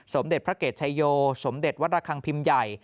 สมเด็จพระเกตชายโยสมเด็จวัดระคังพิมพ์ใหญ่